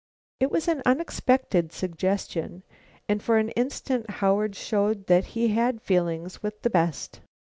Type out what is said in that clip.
It was an unexpected suggestion, and for an instant Howard showed that he had feelings with the best.